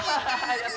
やった！